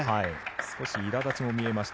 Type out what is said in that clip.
少しいら立ちも見えました